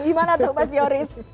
gimana tuh mas yoris